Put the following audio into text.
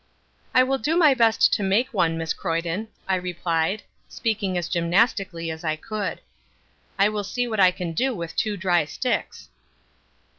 "I will do my best to make one, Miss Croyden," I replied, speaking as gymnastically as I could. "I will see what I can do with two dry sticks."